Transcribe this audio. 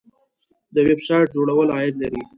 د ویب سایټ جوړول عاید لري